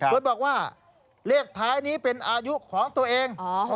โดยบอกว่าเลขท้ายนี้เป็นอายุของตัวเอง